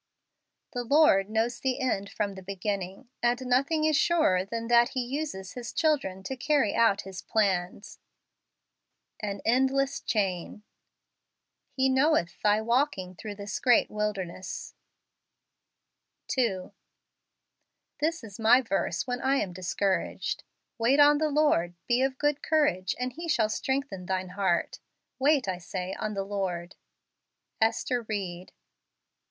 The Lord knows the end from the be¬ ginning, and nothing is surer than that He uses His children to carry out His plans. An Endless Chain. " He knoweth thy walking through this great wil¬ derness" 2. This is my verse when I am discour¬ aged: "Wait on the Lord; be of good courage and he shall strengthen thine heart : wait, I say, on the Lord." Ester Ried.